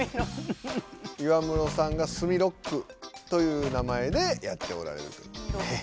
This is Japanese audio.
岩室さんがスミロックという名前でやっておられるという。